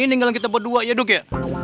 ini ninggal kita berdua ya duk ya